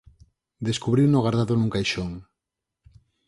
Descubriuno gardado nun caixón.